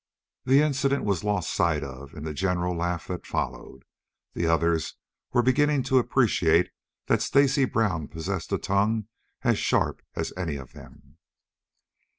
The incident was lost sight of in the general laugh that followed. The others were beginning to appreciate that Stacy Brown possessed a tongue as sharp as any of them.